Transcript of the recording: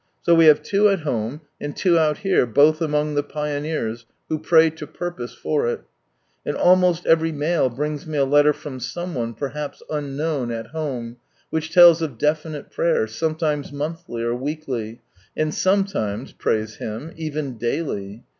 So we have two at home, and two out here, both among the pioneers, who pray to purpose for JL And almost every mail brings me a letter from some one perhaps unknown, at home, which tells of definite prayer, sometimes monthly or weekly, and sometimes, praise Him, even daily.